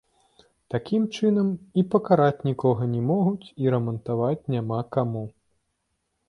Такім чынам, і пакараць нікога не могуць, і рамантаваць няма каму.